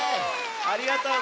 ありがとう！